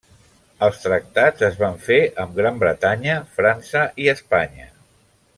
Els tractats es van fer amb Gran Bretanya, França i Espanya.